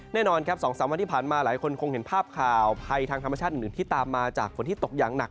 แน่นอนครับ๒๓วันที่ผ่านมาหลายคนคงเห็นภาพข่าวภัยทางธรรมชาติอื่นที่ตามมาจากฝนที่ตกอย่างหนัก